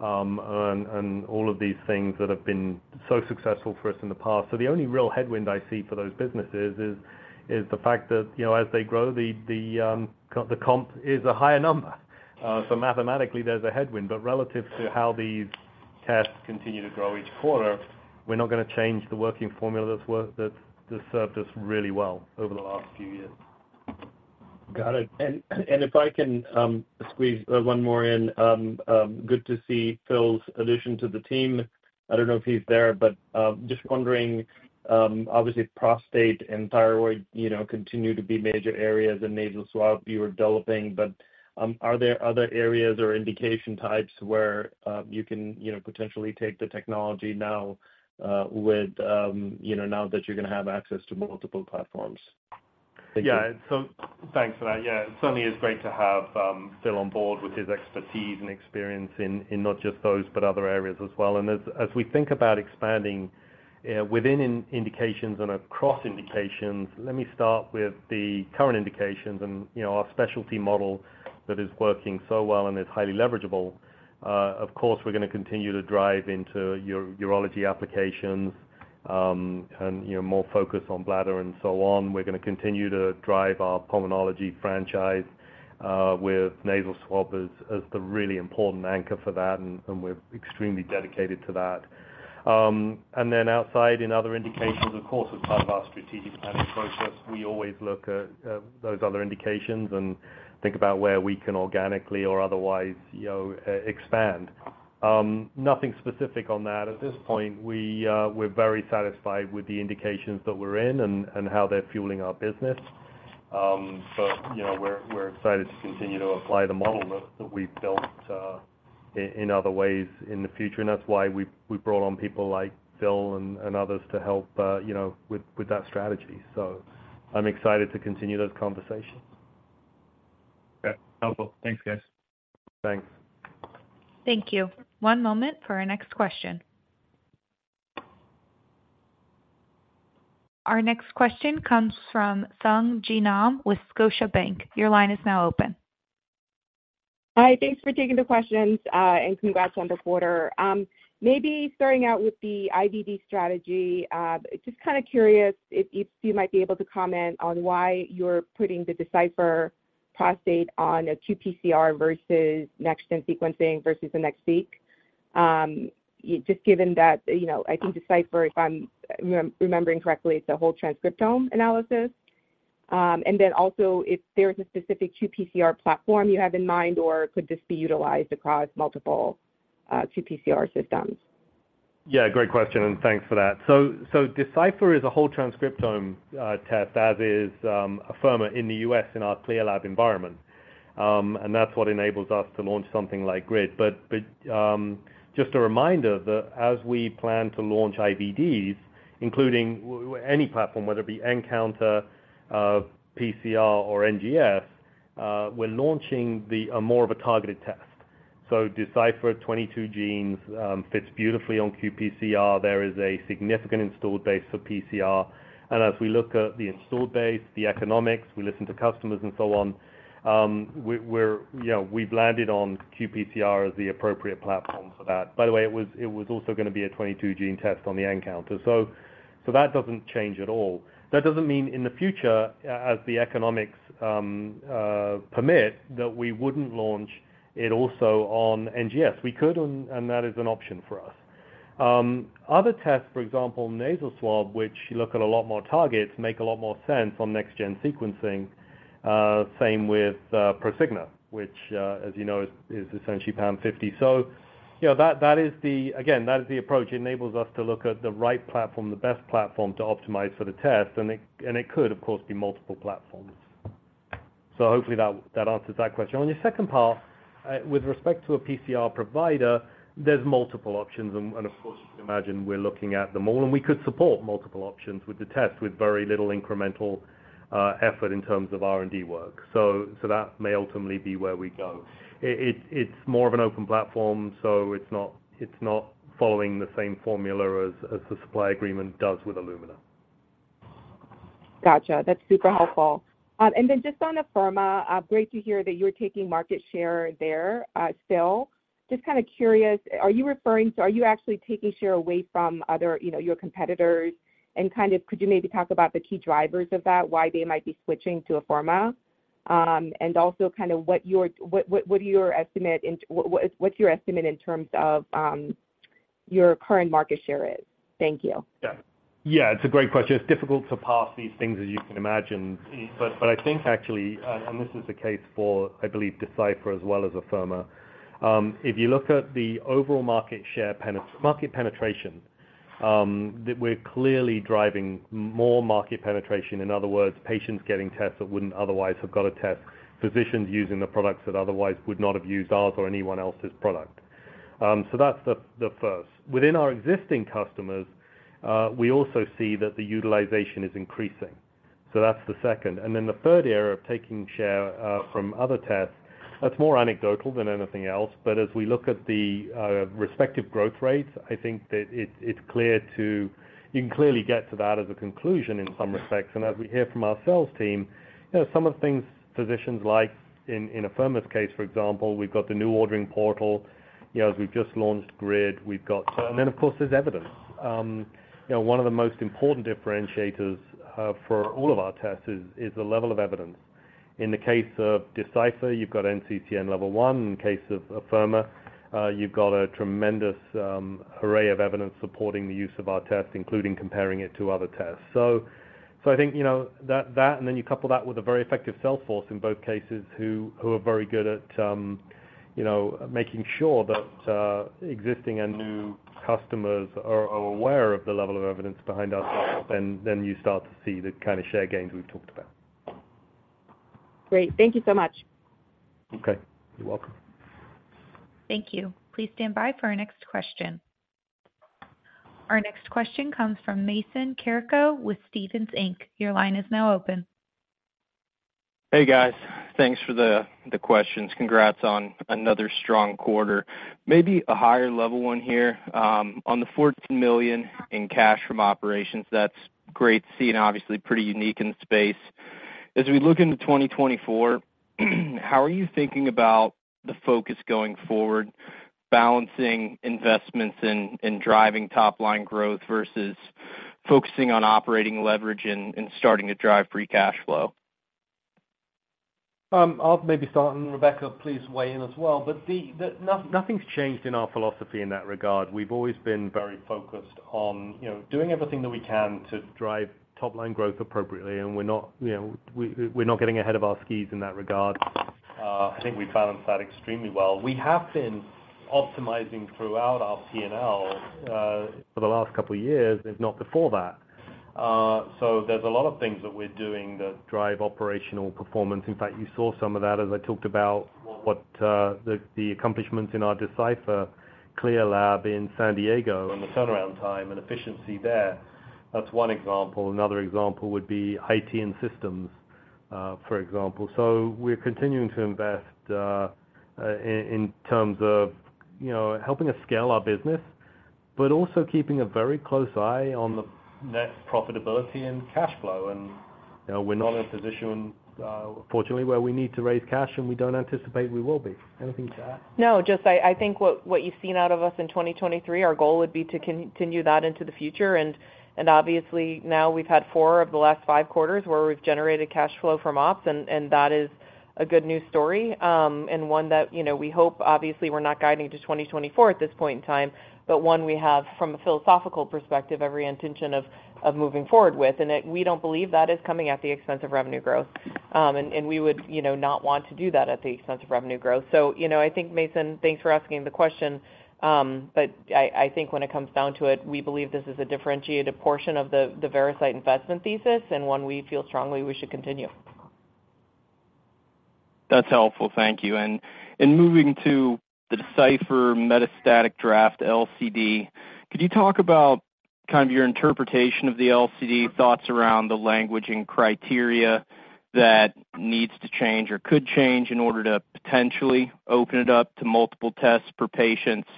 and all of these things that have been so successful for us in the past. So the only real headwind I see for those businesses is the fact that, you know, as they grow, the comp is a higher number. So mathematically, there's a headwind, but relative to how these tests continue to grow each quarter, we're not gonna change the working formula that's worked, that's served us really well over the last few years. Got it. And if I can squeeze one more in, good to see Phil's addition to the team. I don't know if he's there, but just wondering, obviously, prostate and thyroid, you know, continue to be major areas, and nasal swab you are developing, but are there other areas or indication types where you can, you know, potentially take the technology now, with you know, now that you're gonna have access to multiple platforms? Thank you. Yeah. So thanks for that. Yeah, it certainly is great to have Phil on board with his expertise and experience in not just those, but other areas as well. And as we think about expanding within indications and across indications, let me start with the current indications and, you know, our specialty model that is working so well and is highly leverageable. Of course, we're gonna continue to drive into urology applications, and, you know, more focus on bladder and so on. We're gonna continue to drive our pulmonology franchise with nasal swab as the really important anchor for that, and we're extremely dedicated to that. And then outside, in other indications, of course, as part of our strategic planning process, we always look at those other indications and think about where we can organically or otherwise, you know, expand. Nothing specific on that. At this point, we're very satisfied with the indications that we're in and how they're fueling our business. But, you know, we're excited to continue to apply the model that we've built in other ways in the future. And that's why we brought on people like Phil and others to help, you know, with that strategy. So I'm excited to continue those conversations. Okay. Helpful. Thanks, guys. Thanks. Thank you. One moment for our next question. Our next question comes from Sung Ji Nam with Scotiabank. Your line is now open. Hi, thanks for taking the questions, and congrats on the quarter. Maybe starting out with the IVD strategy, just kinda curious if, if you might be able to comment on why you're putting the Decipher Prostate on a qPCR versus next-gen sequencing versus the NextSeq. Just given that, you know, I think Decipher, if I'm remembering correctly, it's a whole transcriptome analysis. And then also, if there's a specific qPCR platform you have in mind, or could this be utilized across multiple, qPCR systems? Yeah, great question, and thanks for that. So Decipher is a whole transcriptome test, as is Afirma in the U.S. in our CLIA Lab environment. And that's what enables us to launch something like Grid. But just a reminder, that as we plan to launch IVDs, including any platform, whether it be nCounter, PCR or NGS, we're launching a more of a targeted test. So Decipher 22-genes fits beautifully on qPCR. There is a significant installed base for PCR, and as we look at the installed base, the economics, we listen to customers and so on, we're, you know, we've landed on qPCR as the appropriate platform for that. By the way, it was also gonna be a 22-gene test on the nCounter. So that doesn't change at all. That doesn't mean in the future, as the economics permit, that we wouldn't launch it also on NGS. We could, and that is an option for us. Other tests, for example, nasal swab, which you look at a lot more targets, make a lot more sense on next gen sequencing. Same with Prosigna, which, as you know, is essentially PAM50. So, you know, that is the approach. Again, that is the approach. It enables us to look at the right platform, the best platform, to optimize for the test, and it could, of course, be multiple platforms. So hopefully that answers that question. On your second part, with respect to a PCR provider, there's multiple options, and of course, you can imagine we're looking at them all, and we could support multiple options with the test with very little incremental effort in terms of R&D work. So that may ultimately be where we go. It's more of an open platform, so it's not following the same formula as the supply agreement does with Illumina. Gotcha. That's super helpful. And then just on Afirma, great to hear that you're taking market share there, still. Just kinda curious, are you referring to-- are you actually taking share away from other, you know, your competitors, and kind of could you maybe talk about the key drivers of that, why they might be switching to Afirma? And also kind of what your estimate in terms of your current market share is? Thank you. Yeah. Yeah, it's a great question. It's difficult to parse these things, as you can imagine. But I think actually, and this is the case for, I believe, Decipher as well as Afirma. If you look at the overall market share market penetration, that we're clearly driving more market penetration, in other words, patients getting tests that wouldn't otherwise have got a test, physicians using the products that otherwise would not have used ours or anyone else's product. So that's the first. Within our existing customers, we also see that the utilization is increasing, so that's the second. And then the third area of taking share from other tests, that's more anecdotal than anything else, but as we look at the respective growth rates, I think that it's clear you can clearly get to that as a conclusion in some respects. And as we hear from our sales team, you know, some of the things physicians like in Afirma's case, for example, we've got the new ordering portal. You know, as we've just launched Grid, we've got. And then, of course, there's evidence. You know, one of the most important differentiators for all of our tests is the level of evidence. In the case of Decipher, you've got NCCN level one. In the case of Afirma, you've got a tremendous array of evidence supporting the use of our test, including comparing it to other tests. So, I think, you know, that and then you couple that with a very effective sales force in both cases, who are very good at, you know, making sure that existing and new customers are aware of the level of evidence behind our tests, and then you start to see the kind of share gains we've talked about. Great. Thank you so much. Okay. You're welcome. Thank you. Please stand by for our next question. Our next question comes from Mason Carrico with Stephens Inc. Your line is now open. Hey, guys. Thanks for the questions. Congrats on another strong quarter. Maybe a higher level one here. On the $14 million in cash from operations, that's great to see and obviously pretty unique in the space. As we look into 2024, how are you thinking about the focus going forward, balancing investments in driving top line growth versus focusing on operating leverage and starting to drive free cash flow? I'll maybe start, and Rebecca, please weigh in as well. But nothing's changed in our philosophy in that regard. We've always been very focused on, you know, doing everything that we can to drive top line growth appropriately, and we're not, you know, we're not getting ahead of our skis in that regard. I think we balanced that extremely well. We have been optimizing throughout our P&L for the last couple of years, if not before that. So there's a lot of things that we're doing that drive operational performance. In fact, you saw some of that as I talked about what the accomplishments in our Decipher CLIA Lab in San Diego and the turnaround time and efficiency there. That's one example. Another example would be IT and systems, for example. So we're continuing to invest in terms of, you know, helping us scale our business, but also keeping a very close eye on the net profitability and cash flow. You know, we're not in a position, fortunately, where we need to raise cash, and we don't anticipate we will be. Anything to add? No, just I think what you've seen out of us in 2023, our goal would be to continue that into the future. And obviously, now we've had 4 of the last 5 quarters where we've generated cash flow from ops, and that is a good news story, and one that, you know, we hope obviously we're not guiding to 2024 at this point in time, but one we have, from a philosophical perspective, every intention of moving forward with. And that we don't believe that is coming at the expense of revenue growth. And we would, you know, not want to do that at the expense of revenue growth. So, you know, I think, Mason, thanks for asking the question, but I think when it comes down to it, we believe this is a differentiated portion of the Veracyte investment thesis, and one we feel strongly we should continue. That's helpful. Thank you. And moving to the Decipher Metastatic Draft LCD, could you talk about kind of your interpretation of the LCD, thoughts around the languaging criteria that needs to change or could change in order to potentially open it up to multiple tests per patients,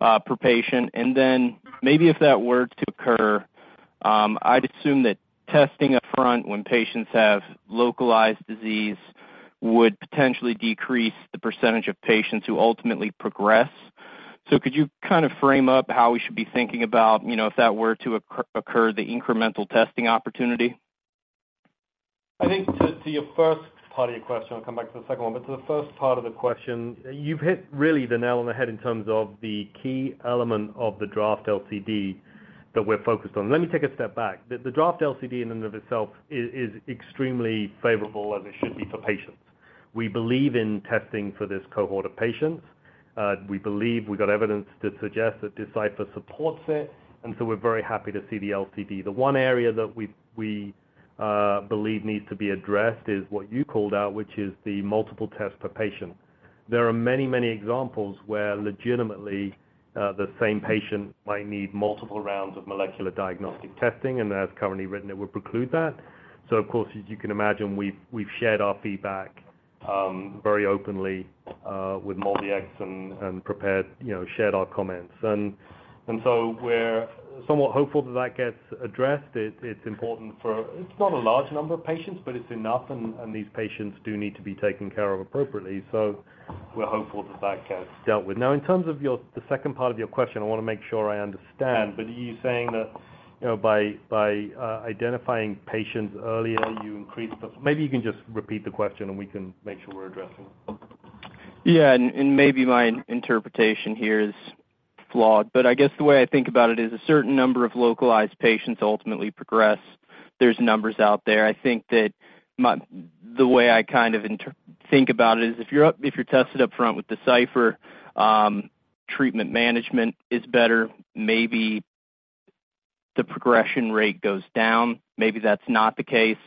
per patient? And then maybe if that were to occur, I'd assume that testing up front when patients have localized disease would potentially decrease the percentage of patients who ultimately progress. So could you kind of frame up how we should be thinking about, you know, if that were to occur, the incremental testing opportunity? I think to your first part of your question, I'll come back to the second one. But to the first part of the question, you've hit really the nail on the head in terms of the key element of the draft LCD that we're focused on. Let me take a step back. The draft LCD in and of itself is extremely favorable, as it should be for patients. We believe in testing for this cohort of patients. We believe we've got evidence to suggest that Decipher supports it, and so we're very happy to see the LCD. The one area that we believe needs to be addressed is what you called out, which is the multiple tests per patient. There are many, many examples where legitimately, the same patient might need multiple rounds of molecular diagnostic testing, and as currently written, it would preclude that. So of course, as you can imagine, we've shared our feedback, very openly, with MolDX and prepared, you know, shared our comments. And so we're somewhat hopeful that that gets addressed. It's important for... It's not a large number of patients, but it's enough, and these patients do need to be taken care of appropriately. So we're hopeful that that gets dealt with. Now, in terms of your, the second part of your question, I want to make sure I understand, but are you saying that, you know, by identifying patients earlier, you increase the, maybe you can just repeat the question, and we can make sure we're addressing it? Yeah, and maybe my interpretation here is flawed, but I guess the way I think about it is a certain number of localized patients ultimately progress. There's numbers out there. I think that the way I kind of think about it is, if you're tested up front with Decipher, treatment management is better, maybe the progression rate goes down. Maybe that's not the case.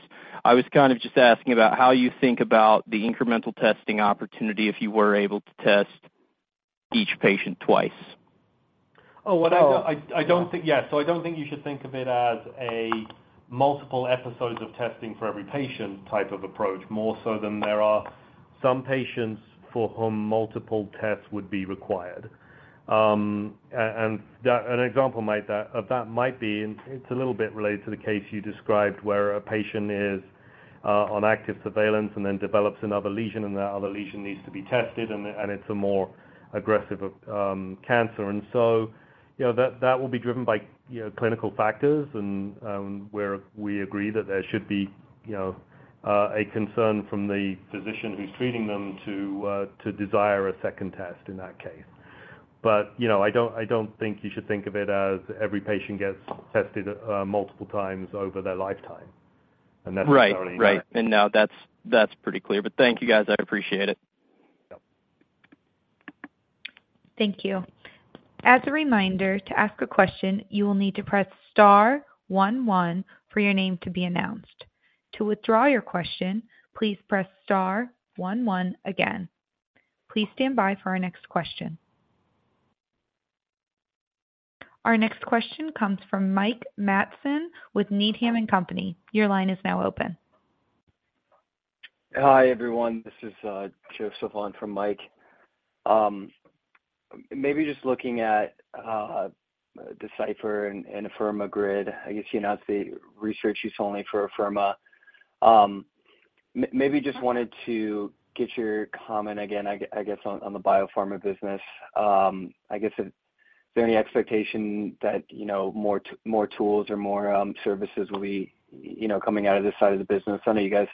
I was kind of just asking about how you think about the incremental testing opportunity if you were able to test each patient twice. Oh, what I know- Oh. I don't think... Yeah, so I don't think you should think of it as a multiple episodes of testing for every patient type of approach, more so than there are some patients for whom multiple tests would be required. And an example of that might be, and it's a little bit related to the case you described, where a patient is on active surveillance and then develops another lesion, and that other lesion needs to be tested, and it's a more aggressive cancer. And so, you know, that will be driven by, you know, clinical factors and where we agree that there should be, you know, a concern from the physician who's treating them to desire a second test in that case. But, you know, I don't think you should think of it as every patient gets tested multiple times over their lifetime, necessarily. Right. Right. And no, that's, that's pretty clear. But thank you, guys. I appreciate it. Yep. Thank you. As a reminder, to ask a question, you will need to press star one one for your name to be announced. To withdraw your question, please press star one one again. Please stand by for our next question. Our next question comes from Mike Matson with Needham and Company. Your line is now open. Hi, everyone. This is Joseph on from Mike. Maybe just looking at Decipher and Afirma Grid, I guess you announced the research use only for Afirma. Maybe just wanted to get your comment again, I guess, on the biopharma business. I guess, is there any expectation that, you know, more tools or more services will be, you know, coming out of this side of the business? I know you guys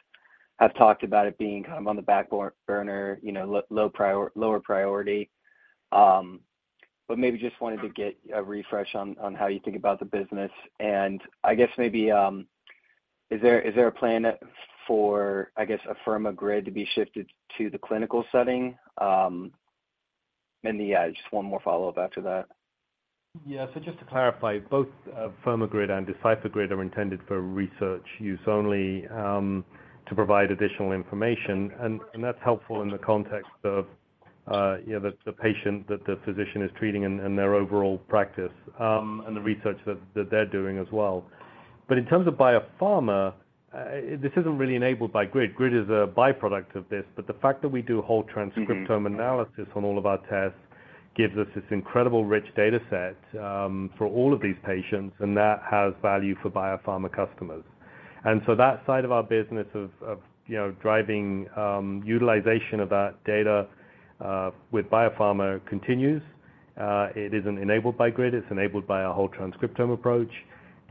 have talked about it being kind of on the backburner, you know, lower priority. But maybe just wanted to get a refresh on how you think about the business. And I guess maybe is there a plan for Afirma Grid to be shifted to the clinical setting? And yeah, just one more follow-up after that. Yeah. So just to clarify, both, Afirma Grid and Decipher Grid are intended for research use only, to provide additional information. And that's helpful in the context of, you know, the patient that the physician is treating and their overall practice, and the research that they're doing as well. But in terms of biopharma, this isn't really enabled by Grid. Grid is a by-product of this, but the fact that we do whole transcriptome analysis- Mm-hmm on all of our tests, gives us this incredible rich data set for all of these patients, and that has value for biopharma customers. And so that side of our business of you know driving utilization of that data with biopharma continues. It isn't enabled by Grid, it's enabled by our whole transcriptome approach,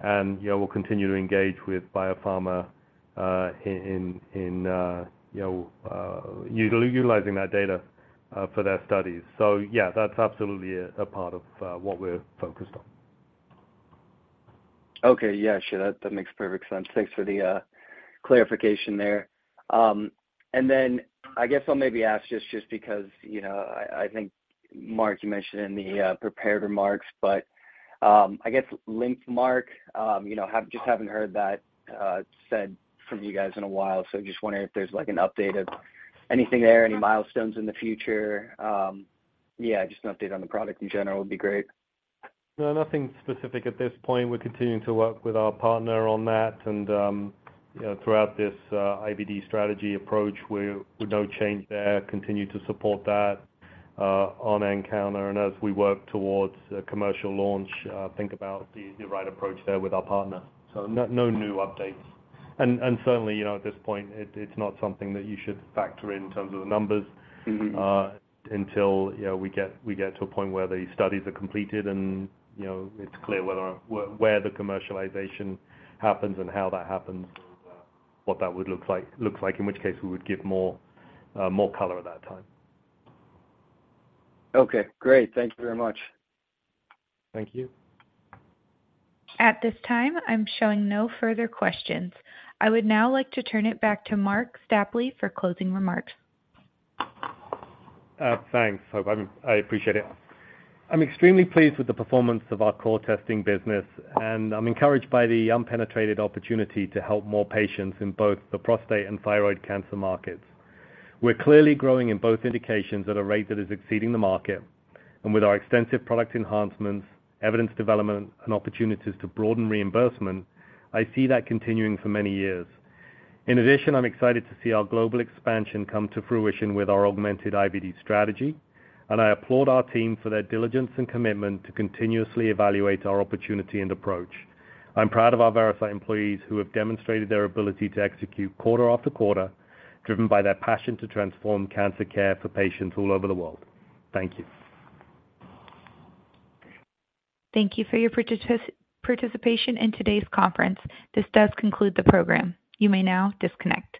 and you know we'll continue to engage with biopharma in utilizing that data for their studies. So yeah, that's absolutely a part of what we're focused on. Okay. Yeah, sure. That, that makes perfect sense. Thanks for the clarification there. And then I guess I'll maybe ask just, just because, you know, I, I think, Marc, you mentioned in the prepared remarks, but I guess LymphMark, you know, just haven't heard that said from you guys in a while. So just wondering if there's, like, an update of anything there, any milestones in the future? Yeah, just an update on the product in general would be great. No, nothing specific at this point. We're continuing to work with our partner on that and, you know, throughout this, IVD strategy approach, we're no change there. Continue to support that, on nCounter and as we work towards a commercial launch, think about the right approach there with our partner. So no, no new updates. And certainly, you know, at this point, it, it's not something that you should factor in, in terms of the numbers- Mm-hmm... until, you know, we get to a point where the studies are completed and, you know, it's clear whether, where the commercialization happens and how that happens, and, what that would look like, in which case we would give more, more color at that time. Okay, great. Thank you very much. Thank you. At this time, I'm showing no further questions. I would now like to turn it back to Marc Stapley for closing remarks. Thanks. [inaudible] I appreciate it. I'm extremely pleased with the performance of our core testing business, and I'm encouraged by the unpenetrated opportunity to help more patients in both the prostate and thyroid cancer markets. We're clearly growing in both indications at a rate that is exceeding the market, and with our extensive product enhancements, evidence development, and opportunities to broaden reimbursement, I see that continuing for many years. In addition, I'm excited to see our global expansion come to fruition with our augmented IVD strategy, and I applaud our team for their diligence and commitment to continuously evaluate our opportunity and approach. I'm proud of our Veracyte employees, who have demonstrated their ability to execute quarter-after-quarter, driven by their passion to transform cancer care for patients all over the world. Thank you. Thank you for your participation in today's conference. This does conclude the program. You may now disconnect.